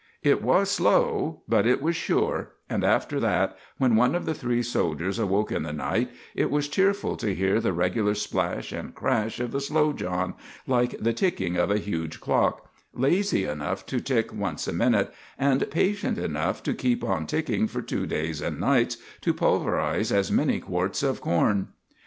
It was slow, but it was sure, and after that, when one of the three soldiers awoke in the night, it was cheerful to hear the regular splash and crash of the Slow John, like the ticking of a huge clock, lazy enough to tick once a minute, and patient enough to keep on ticking for two days and nights to pulverize as many quarts of corn.